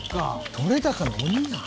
撮れ高の鬼やん。